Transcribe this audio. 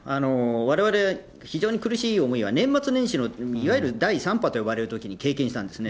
われわれ、非常に苦しい思いは、年末年始の、いわゆる第３波と呼ばれるときに経験したんですね。